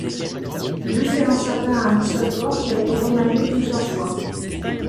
Buffet en sapin à un seul corps qui a été remanié plusieurs fois.